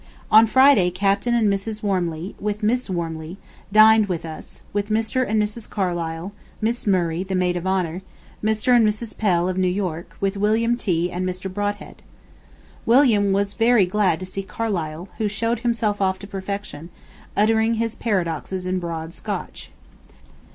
On Friday Captain and Mrs. Wormeley, with Miss Wormeley, dined with us, with Mr. and Mrs. Carlyle, Miss Murray, the Maid of Honor, Mr. and Mrs. Pell of New York, with William T. and Mr. Brodhead. William was very glad to see Carlyle, who showed himself off to perfection, uttering his paradoxes in broad Scotch.